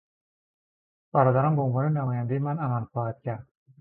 برادرم به عنوان نمایندهی من عمل خواهد کرد.